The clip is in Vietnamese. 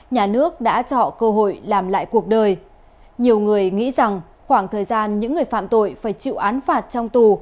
nhiều người nghĩ rằng khoảng thời gian những người phạm tội phải chịu án phạt trong tù